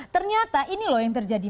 ternyata ini loh yang terjadi